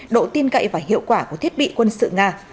độ tin cậy và hiệu quả của thiết bị quân sự nga